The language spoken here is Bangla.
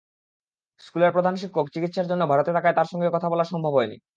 স্কুলের প্রধান শিক্ষক চিকিৎসার জন্য ভারতে থাকায় তাঁর সঙ্গে কথা বলা সম্ভব হয়নি।